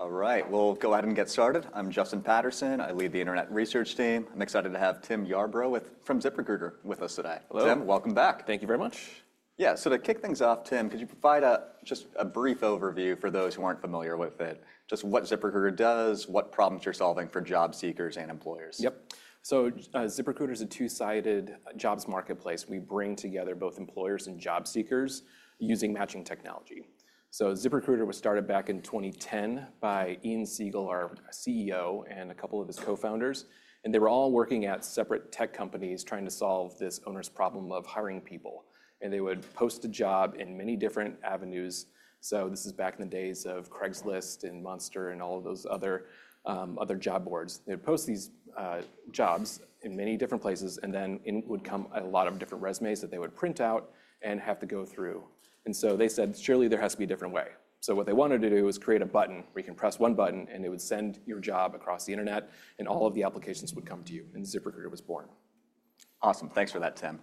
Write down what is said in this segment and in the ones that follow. All right, we'll go ahead and get started. I'm Justin Patterson. I lead the Internet Research Team. I'm excited to have Tim Yarbrough from ZipRecruiter with us today. Hello. Tim, welcome back. Thank you very much. Yeah, so to kick things off, Tim, could you provide just a brief overview for those who aren't familiar with it? Just what ZipRecruiter does, what problems you're solving for job seekers and employers. Yep. ZipRecruiter is a two-sided jobs marketplace. We bring together both employers and job seekers using matching technology. ZipRecruiter was started back in 2010 by Ian Siegel, our CEO, and a couple of his co-founders. They were all working at separate tech companies trying to solve this onerous problem of hiring people. They would post a job in many different avenues. This is back in the days of Craigslist and Monster and all of those other job boards. They would post these jobs in many different places, and then it would come a lot of different resumes that they would print out and have to go through. They said, surely there has to be a different way. What they wanted to do was create a button where you can press one button, and it would send your job across the internet, and all of the applications would come to you. And ZipRecruiter was born. Awesome. Thanks for that, Tim.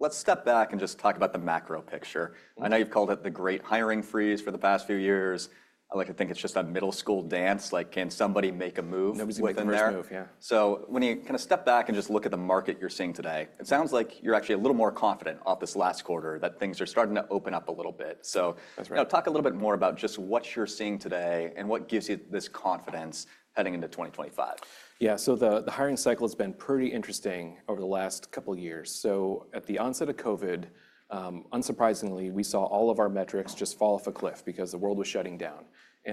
Let's step back and just talk about the macro picture. I know you've called it the Great Hiring Freeze for the past few years. I like to think it's just a middle school dance. Like, can somebody make a move within there? Nobody's made the first move yet. When you kind of step back and just look at the market you're seeing today, it sounds like you're actually a little more confident off this last quarter that things are starting to open up a little bit. Talk a little bit more about just what you're seeing today and what gives you this confidence heading into 2025. Yeah, so the hiring cycle has been pretty interesting over the last couple of years. At the onset of COVID, unsurprisingly, we saw all of our metrics just fall off a cliff because the world was shutting down.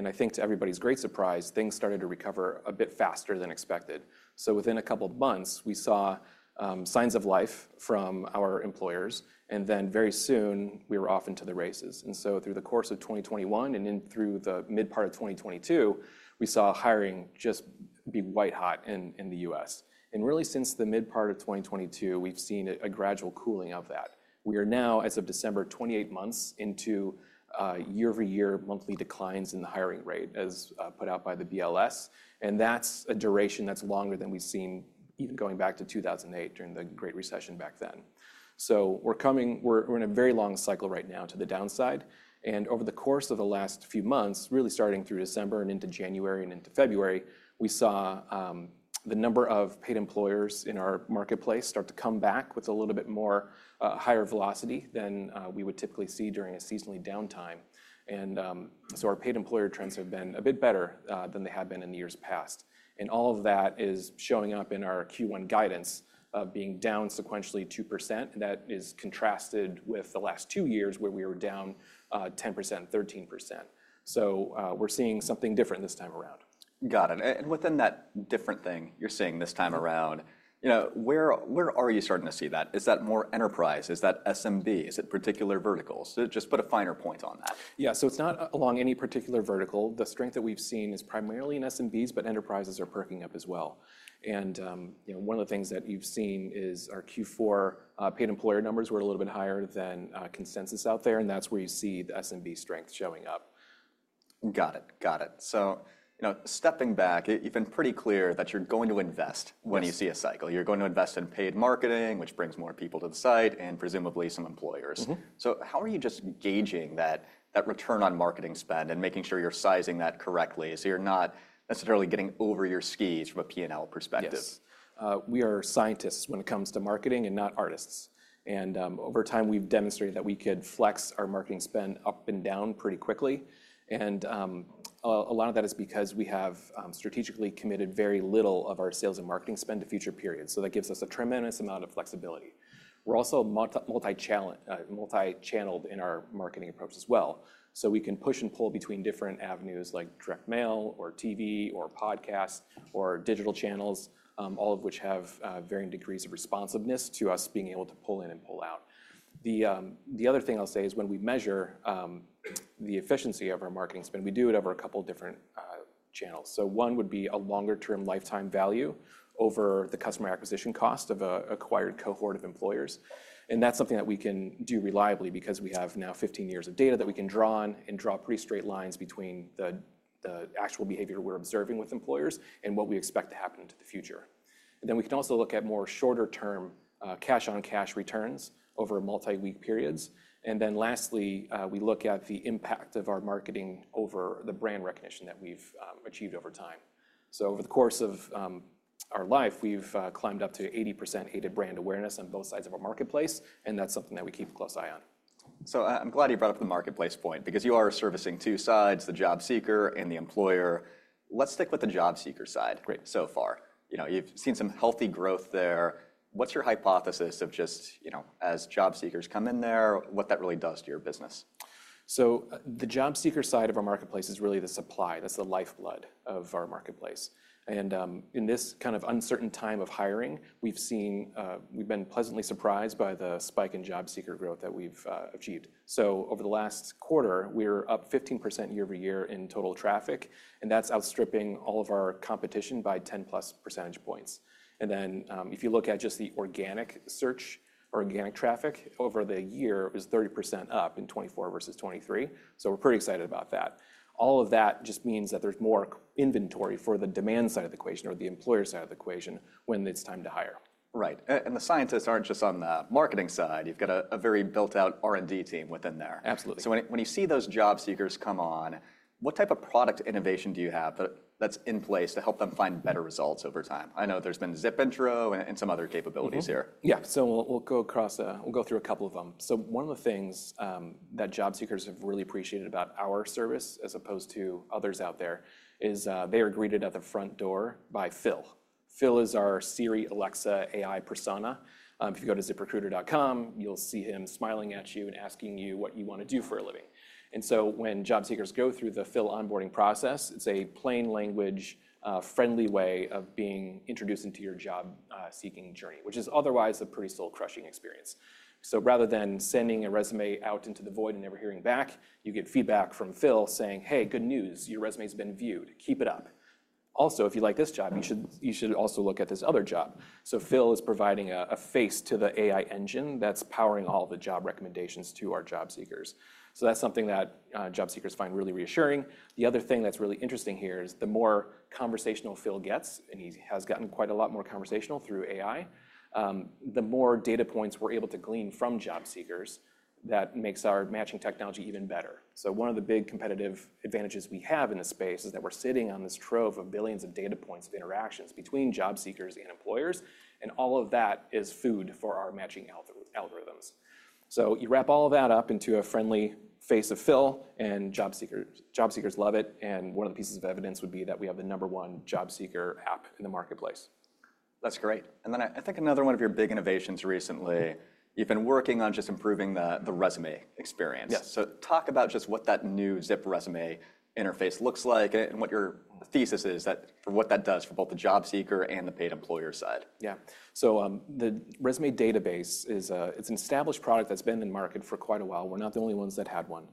I think to everybody's great surprise, things started to recover a bit faster than expected. Within a couple of months, we saw signs of life from our employers. Very soon, we were off into the races. Through the course of 2021 and then through the mid-part of 2022, we saw hiring just be white hot in the US. Really, since the mid-part of 2022, we've seen a gradual cooling of that. We are now, as of December, 28 months into year-over-year monthly declines in the hiring rate, as put out by the BLS. That is a duration that is longer than we have seen even going back to 2008 during the Great Recession back then. We are in a very long cycle right now to the downside. Over the course of the last few months, really starting through December and into January and into February, we saw the number of paid employers in our marketplace start to come back with a little bit more higher velocity than we would typically see during a seasonally downtime. Our paid employer trends have been a bit better than they have been in the years past. All of that is showing up in our Q1 guidance of being down sequentially 2%. That is contrasted with the last two years where we were down 10%, 13%. We are seeing something different this time around. Got it. Within that different thing you're seeing this time around, where are you starting to see that? Is that more enterprise? Is that SMB? Is it particular verticals? Just put a finer point on that. Yeah, so it's not along any particular vertical. The strength that we've seen is primarily in SMBs, but enterprises are perking up as well. One of the things that you've seen is our Q4 paid employer numbers were a little bit higher than consensus out there. That's where you see the SMB strength showing up. Got it. Got it. Stepping back, you've been pretty clear that you're going to invest when you see a cycle. You're going to invest in paid marketing, which brings more people to the site, and presumably some employers. How are you just gauging that return on marketing spend and making sure you're sizing that correctly so you're not necessarily getting over your skis from a P&L perspective? Yes. We are scientists when it comes to marketing and not artists. Over time, we've demonstrated that we could flex our marketing spend up and down pretty quickly. A lot of that is because we have strategically committed very little of our sales and marketing spend to future periods. That gives us a tremendous amount of flexibility. We're also multi-channeled in our marketing approach as well. We can push and pull between different avenues like direct mail or TV or podcasts or digital channels, all of which have varying degrees of responsiveness to us being able to pull in and pull out. The other thing I'll say is when we measure the efficiency of our marketing spend, we do it over a couple of different channels. One would be a longer-term lifetime value over the customer acquisition cost of an acquired cohort of employers. That is something that we can do reliably because we have now 15 years of data that we can draw on and draw pretty straight lines between the actual behavior we are observing with employers and what we expect to happen to the future. We can also look at more shorter-term cash-on-cash returns over multi-week periods. Lastly, we look at the impact of our marketing over the brand recognition that we have achieved over time. Over the course of our life, we have climbed up to 80% aided brand awareness on both sides of our marketplace. That is something that we keep a close eye on. I'm glad you brought up the marketplace point because you are servicing two sides, the job seeker and the employer. Let's stick with the job seeker side so far. You've seen some healthy growth there. What's your hypothesis of just as job seekers come in there, what that really does to your business? The job seeker side of our marketplace is really the supply. That's the lifeblood of our marketplace. In this kind of uncertain time of hiring, we've seen we've been pleasantly surprised by the spike in job seeker growth that we've achieved. Over the last quarter, we were up 15% year-over-year in total traffic. That's outstripping all of our competition by 10-plus percentage points. If you look at just the organic search, organic traffic over the year was 30% up in 2024 versus 2023. We're pretty excited about that. All of that just means that there's more inventory for the demand side of the equation or the employer side of the equation when it's time to hire. Right. The scientists are not just on the marketing side. You have a very built-out R&D team within there. Absolutely. When you see those job seekers come on, what type of product innovation do you have that's in place to help them find better results over time? I know there's been ZipIntro and some other capabilities here. Yeah, so we'll go across, we'll go through a couple of them. One of the things that job seekers have really appreciated about our service as opposed to others out there is they are greeted at the front door by Phil. Phil is our Siri, Alexa, AI persona. If you go to ziprecruiter.com, you'll see him smiling at you and asking you what you want to do for a living. When job seekers go through the Phil onboarding process, it's a plain language, friendly way of being introduced into your job seeking journey, which is otherwise a pretty soul-crushing experience. Rather than sending a resume out into the void and never hearing back, you get feedback from Phil saying, "Hey, good news. Your resume has been viewed. Keep it up." Also, if you like this job, you should also look at this other job. Phil is providing a face to the AI engine that's powering all the job recommendations to our job seekers. That's something that job seekers find really reassuring. The other thing that's really interesting here is the more conversational Phil gets, and he has gotten quite a lot more conversational through AI, the more data points we're able to glean from job seekers that makes our matching technology even better. One of the big competitive advantages we have in this space is that we're sitting on this trove of billions of data points of interactions between job seekers and employers. All of that is food for our matching algorithms. You wrap all of that up into a friendly face of Phil, and job seekers love it. One of the pieces of evidence would be that we have the number one job seeker app in the marketplace. That's great. I think another one of your big innovations recently, you've been working on just improving the resume experience. Talk about just what that new ZipIntro interface looks like and what your thesis is for what that does for both the job seeker and the paid employer side. Yeah. So the resume database, it's an established product that's been in the market for quite a while. We're not the only ones that had one.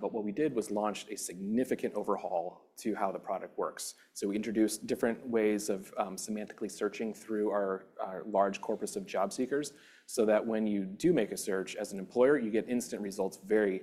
What we did was launch a significant overhaul to how the product works. We introduced different ways of semantically searching through our large corpus of job seekers so that when you do make a search as an employer, you get instant results very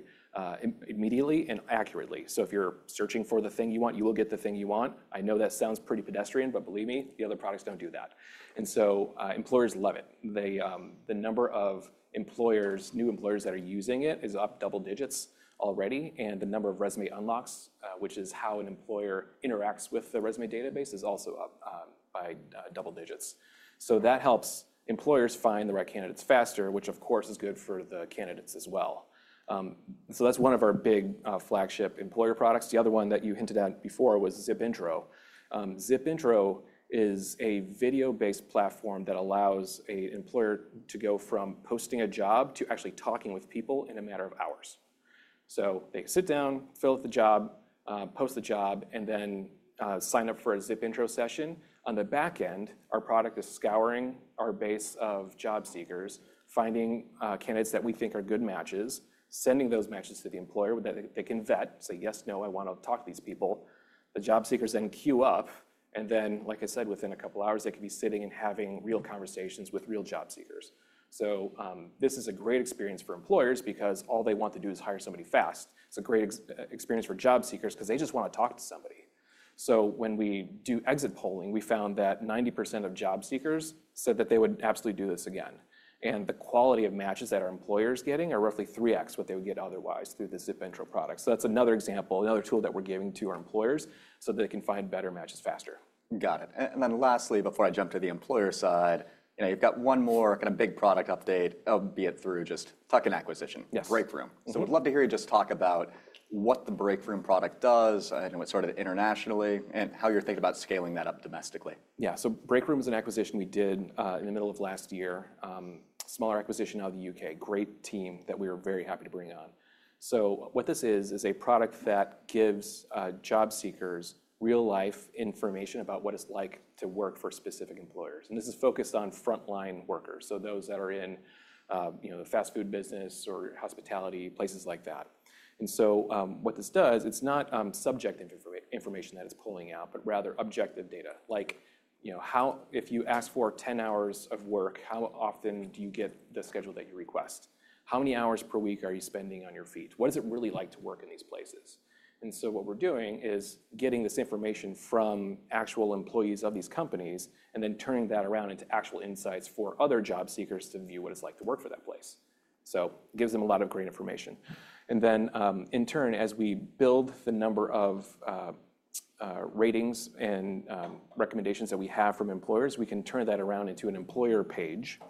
immediately and accurately. If you're searching for the thing you want, you will get the thing you want. I know that sounds pretty pedestrian, but believe me, the other products don't do that. Employers love it. The number of new employers that are using it is up double digits already. The number of resume unlocks, which is how an employer interacts with the resume database, is also up by double digits. That helps employers find the right candidates faster, which of course is good for the candidates as well. That's one of our big flagship employer products. The other one that you hinted at before was ZipIntro. ZipIntro is a video-based platform that allows an employer to go from posting a job to actually talking with people in a matter of hours. They sit down, fill out the job, post the job, and then sign up for a ZipIntro session. On the back end, our product is scouring our base of job seekers, finding candidates that we think are good matches, sending those matches to the employer that they can vet and say, "Yes, no, I want to talk to these people." The job seekers then queue up. Like I said, within a couple of hours, they could be sitting and having real conversations with real job seekers. This is a great experience for employers because all they want to do is hire somebody fast. It's a great experience for job seekers because they just want to talk to somebody. When we do exit polling, we found that 90% of job seekers said that they would absolutely do this again. The quality of matches that our employers are getting are roughly 3x what they would get otherwise through the ZipIntro product. That's another example, another tool that we're giving to our employers so that they can find better matches faster. Got it. Lastly, before I jump to the employer side, you've got one more kind of big product update, albeit through just tuck-in acquisition, Breakroom. We'd love to hear you just talk about what the Breakroom product does and what sort of internationally and how you're thinking about scaling that up domestically. Yeah. Breakroom is an acquisition we did in the middle of last year, a smaller acquisition out of the U.K. Great team that we were very happy to bring on. What this is, is a product that gives job seekers real-life information about what it's like to work for specific employers. This is focused on frontline workers, so those that are in the fast food business or hospitality, places like that. What this does, it's not subject information that it's pulling out, but rather objective data. Like if you ask for 10 hours of work, how often do you get the schedule that you request? How many hours per week are you spending on your feet? What is it really like to work in these places? What we're doing is getting this information from actual employees of these companies and then turning that around into actual insights for other job seekers to view what it's like to work for that place. It gives them a lot of great information. In turn, as we build the number of ratings and recommendations that we have from employers, we can turn that around into an employer page.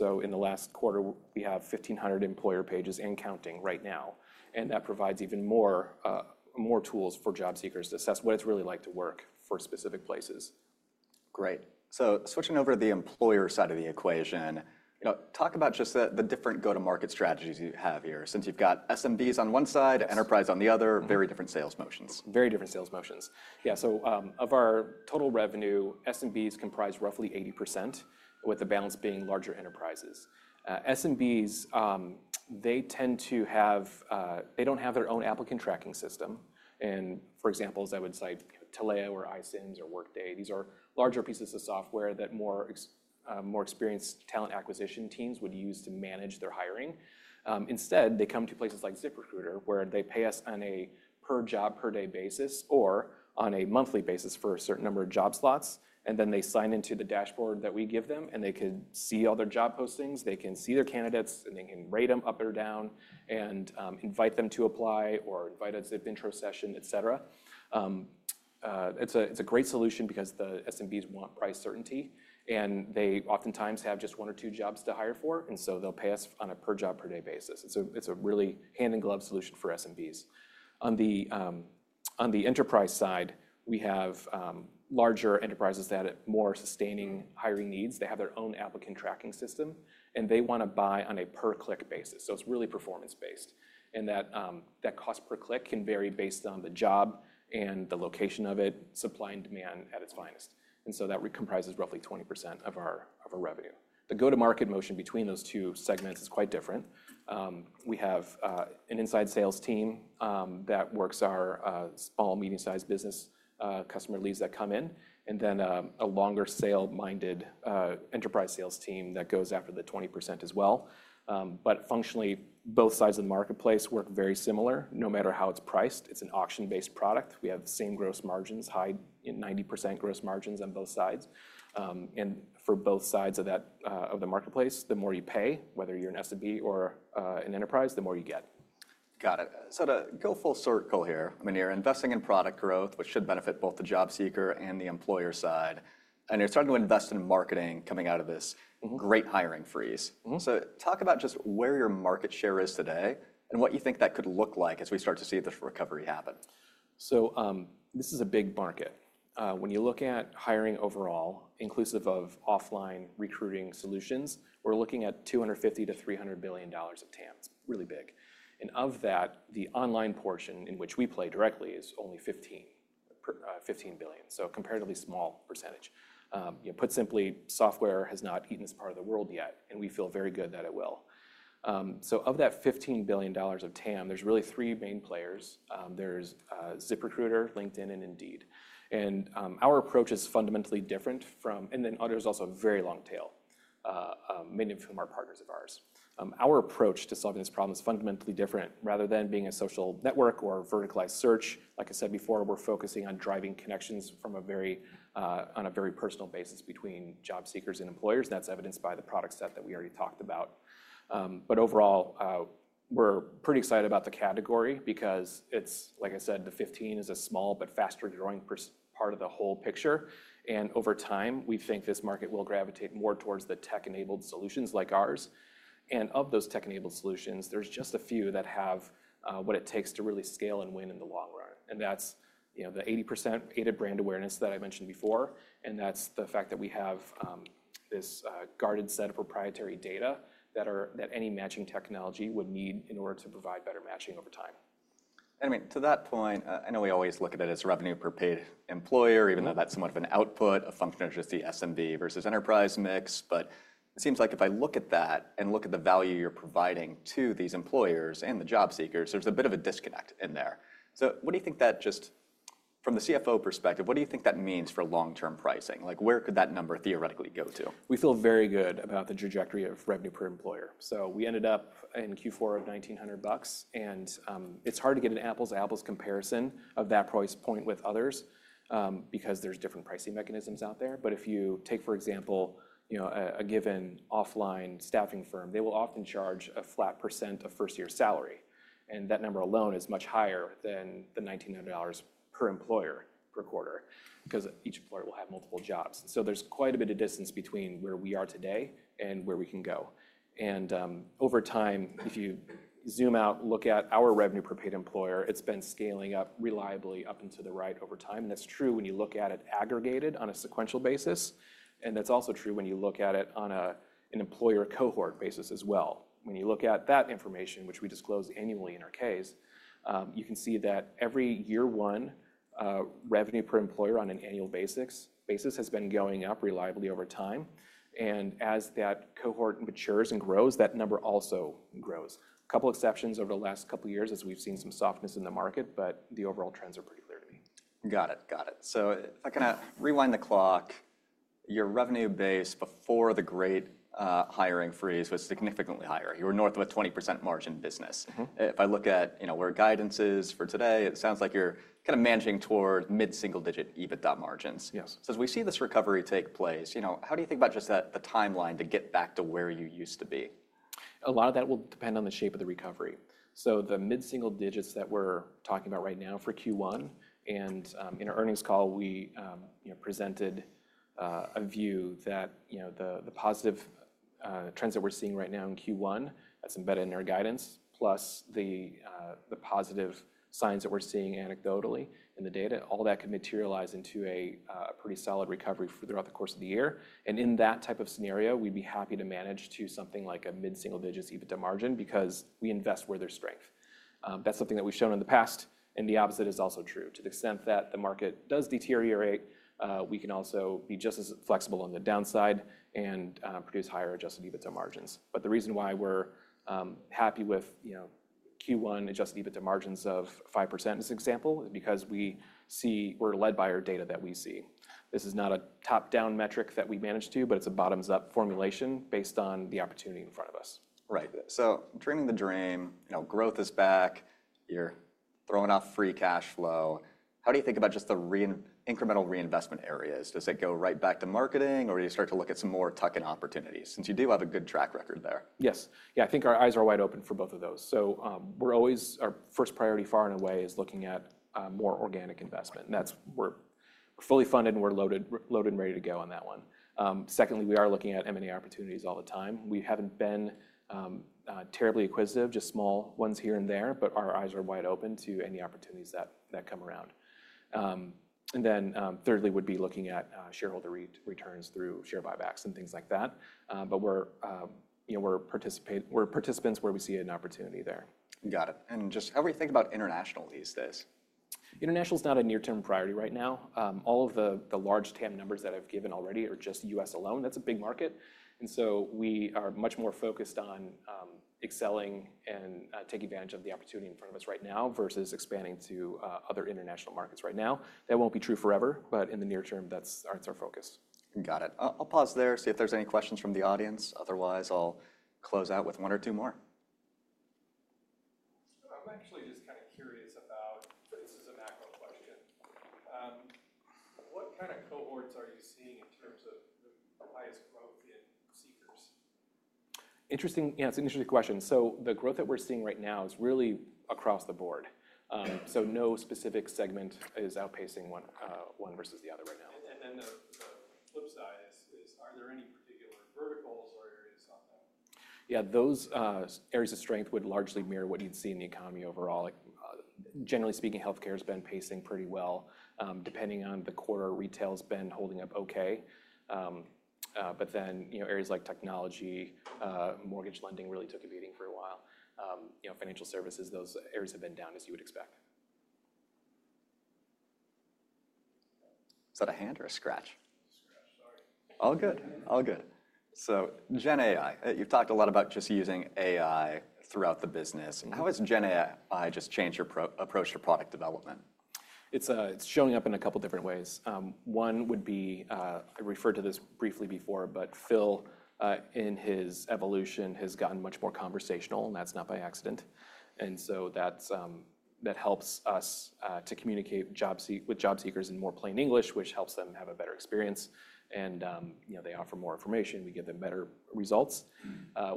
In the last quarter, we have 1,500 employer pages and counting right now. That provides even more tools for job seekers to assess what it's really like to work for specific places. Great. Switching over to the employer side of the equation, talk about just the different go-to-market strategies you have here, since you've got SMBs on one side, enterprise on the other, very different sales motions. Very different sales motions. Yeah. Of our total revenue, SMBs comprise roughly 80%, with the balance being larger enterprises. SMBs, they tend to have they do not have their own applicant tracking system. For examples, I would cite Taleo or iCIMS or Workday. These are larger pieces of software that more experienced talent acquisition teams would use to manage their hiring. Instead, they come to places like ZipRecruiter where they pay us on a per job, per day basis or on a monthly basis for a certain number of job slots. They sign into the dashboard that we give them, and they can see all their job postings. They can see their candidates, and they can rate them up or down and invite them to apply or invite a ZipIntro session, et cetera. It's a great solution because the SMBs want price certainty, and they oftentimes have just one or two jobs to hire for. They'll pay us on a per job, per day basis. It's a really hand-in-glove solution for SMBs. On the enterprise side, we have larger enterprises that have more sustaining hiring needs. They have their own applicant tracking system, and they want to buy on a per-click basis. It's really performance-based. That cost per click can vary based on the job and the location of it, supply and demand at its finest. That comprises roughly 20% of our revenue. The go-to-market motion between those two segments is quite different. We have an inside sales team that works our small, medium-sized business customer leads that come in, and then a longer sale-minded enterprise sales team that goes after the 20% as well. Functionally, both sides of the marketplace work very similar. No matter how it's priced, it's an auction-based product. We have the same gross margins, high in 90% gross margins on both sides. For both sides of the marketplace, the more you pay, whether you're an SMB or an enterprise, the more you get. Got it. To go full circle here, I mean, you're investing in product growth, which should benefit both the job seeker and the employer side. You're starting to invest in marketing coming out of this great hiring freeze. Talk about just where your market share is today and what you think that could look like as we start to see this recovery happen. This is a big market. When you look at hiring overall, inclusive of offline recruiting solutions, we're looking at $250 billion-$300 billion of TAMs. Really big. Of that, the online portion in which we play directly is only $15 billion. A comparatively small percentage. Put simply, software has not eaten this part of the world yet, and we feel very good that it will. Of that $15 billion of TAM, there are really three main players. There's ZipRecruiter, LinkedIn, and Indeed. Our approach is fundamentally different from, and then others also have a very long tail, many of whom are partners of ours. Our approach to solving this problem is fundamentally different. Rather than being a social network or verticalized search, like I said before, we're focusing on driving connections on a very personal basis between job seekers and employers. That's evidenced by the product set that we already talked about. Overall, we're pretty excited about the category because, like I said, the 15 is a small but faster-growing part of the whole picture. Over time, we think this market will gravitate more towards the tech-enabled solutions like ours. Of those tech-enabled solutions, there's just a few that have what it takes to really scale and win in the long run. That's the 80% aided brand awareness that I mentioned before. That's the fact that we have this guarded set of proprietary data that any matching technology would need in order to provide better matching over time. I mean, to that point, I know we always look at it as revenue per paid employer, even though that's somewhat of an output, a function of just the SMB versus enterprise mix. It seems like if I look at that and look at the value you're providing to these employers and the job seekers, there's a bit of a disconnect in there. What do you think that just from the CFO perspective, what do you think that means for long-term pricing? Where could that number theoretically go to? We feel very good about the trajectory of revenue per employer. We ended up in Q4 at $1,900. It is hard to get an apples-to-apples comparison of that price point with others because there are different pricing mechanisms out there. If you take, for example, a given offline staffing firm, they will often charge a flat % of first-year salary. That number alone is much higher than the $1,900 per employer per quarter because each employer will have multiple jobs. There is quite a bit of distance between where we are today and where we can go. Over time, if you zoom out and look at our revenue per paid employer, it has been scaling up reliably up and to the right over time. That is true when you look at it aggregated on a sequential basis. That is also true when you look at it on an employer cohort basis as well. When you look at that information, which we disclose annually in our case, you can see that every year one, revenue per employer on an annual basis has been going up reliably over time. As that cohort matures and grows, that number also grows. A couple of exceptions over the last couple of years, as we've seen some softness in the market, but the overall trends are pretty clear to me. Got it. Got it. If I kind of rewind the clock, your revenue base before the great hiring freeze was significantly higher. You were north of a 20% margin business. If I look at where guidance is for today, it sounds like you're kind of managing toward mid-single-digit EBITDA margins. Yes. As we see this recovery take place, how do you think about just the timeline to get back to where you used to be? A lot of that will depend on the shape of the recovery. The mid-single digits that we're talking about right now for Q1, and in our earnings call, we presented a view that the positive trends that we're seeing right now in Q1, that's embedded in our guidance, plus the positive signs that we're seeing anecdotally in the data, all that can materialize into a pretty solid recovery throughout the course of the year. In that type of scenario, we'd be happy to manage to something like a mid-single digit EBITDA margin because we invest where there's strength. That's something that we've shown in the past. The opposite is also true. To the extent that the market does deteriorate, we can also be just as flexible on the downside and produce higher adjusted EBITDA margins. The reason why we're happy with Q1 adjusted EBITDA margins of 5% in this example is because we're led by our data that we see. This is not a top-down metric that we manage to, but it's a bottoms-up formulation based on the opportunity in front of us. Right. Draining the drain, growth is back, you're throwing off free cash flow. How do you think about just the incremental reinvestment areas? Does it go right back to marketing, or do you start to look at some more tuck-in opportunities since you do have a good track record there? Yes. Yeah, I think our eyes are wide open for both of those. Our first priority, far and away, is looking at more organic investment. We're fully funded, and we're loaded and ready to go on that one. Secondly, we are looking at M&A opportunities all the time. We haven't been terribly acquisitive, just small ones here and there, but our eyes are wide open to any opportunities that come around. Thirdly would be looking at shareholder returns through share buybacks and things like that. We're participants where we see an opportunity there. Got it. Just how do we think about international these days? International is not a near-term priority right now. All of the large TAM numbers that I've given already are just US alone. That's a big market. We are much more focused on excelling and taking advantage of the opportunity in front of us right now versus expanding to other international markets right now. That won't be true forever, but in the near term, that's our focus. Got it. I'll pause there, see if there's any questions from the audience. Otherwise, I'll close out with one or two more. I'm actually just kind of curious about, this is a macro question. What kind of cohorts are you seeing in terms of the highest growth in seekers? Interesting, yeah, it's an interesting question. The growth that we're seeing right now is really across the board. No specific segment is outpacing one versus the other right now. The flip side is, are there any particular verticals or areas on that? Yeah, those areas of strength would largely mirror what you'd see in the economy overall. Generally speaking, healthcare has been pacing pretty well. Depending on the quarter, retail has been holding up okay. Areas like technology, mortgage lending really took a beating for a while. Financial services, those areas have been down, as you would expect. Is that a hand or a scratch? Scratch. Sorry. All good. All good. GenAI, you've talked a lot about just using AI throughout the business. How has GenAI just changed your approach to product development? It's showing up in a couple of different ways. One would be, I referred to this briefly before, but Phil in his evolution has gotten much more conversational, and that's not by accident. That helps us to communicate with job seekers in more plain English, which helps them have a better experience. They offer more information. We give them better results.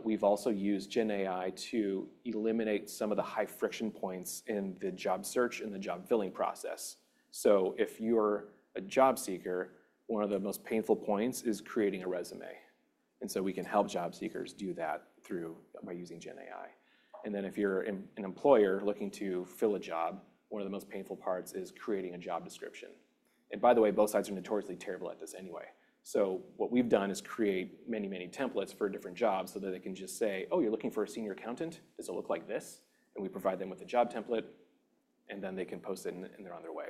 We've also used GenAI to eliminate some of the high friction points in the job search and the job filling process. If you're a job seeker, one of the most painful points is creating a resume. We can help job seekers do that by using GenAI. If you're an employer looking to fill a job, one of the most painful parts is creating a job description. By the way, both sides are notoriously terrible at this anyway. What we've done is create many, many templates for different jobs so that they can just say, "Oh, you're looking for a senior accountant? Does it look like this?" And we provide them with a job template, and then they can post it, and they're on their way.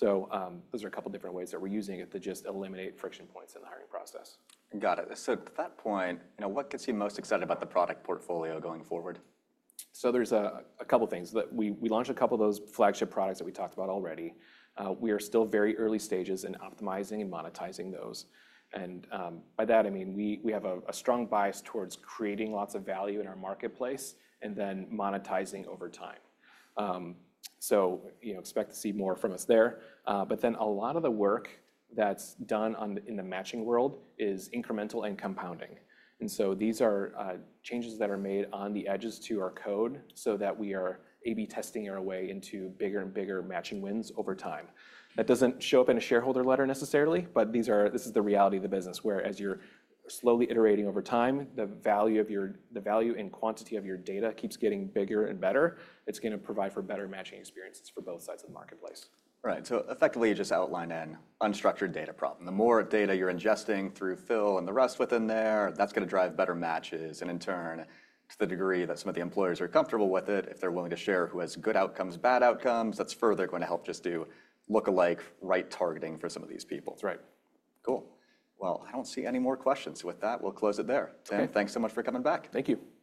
Those are a couple of different ways that we're using it to just eliminate friction points in the hiring process. Got it. To that point, what gets you most excited about the product portfolio going forward? There are a couple of things. We launched a couple of those flagship products that we talked about already. We are still very early stages in optimizing and monetizing those. I mean we have a strong bias towards creating lots of value in our marketplace and then monetizing over time. Expect to see more from us there. A lot of the work that's done in the matching world is incremental and compounding. These are changes that are made on the edges to our code so that we are A/B testing our way into bigger and bigger matching wins over time. That does not show up in a shareholder letter necessarily, but this is the reality of the business where as you're slowly iterating over time, the value in quantity of your data keeps getting bigger and better. It's going to provide for better matching experiences for both sides of the marketplace. Right. So effectively, you just outlined an unstructured data problem. The more data you're ingesting through Phil and the rest within there, that's going to drive better matches. In turn, to the degree that some of the employers are comfortable with it, if they're willing to share who has good outcomes, bad outcomes, that's further going to help just do lookalike right targeting for some of these people. That's right. Cool. I don't see any more questions. With that, we'll close it there. Tim, thanks so much for coming back. Thank you.